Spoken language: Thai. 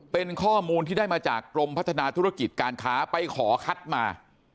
เป็นข้อมูลที่ได้มาจากกรมพัฒนาธุรกิจการค้าไปขอคัดมา